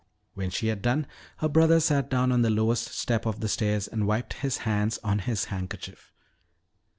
When she had done, her brother sat back on the lowest step of the stairs and wiped his hands on his handkerchief.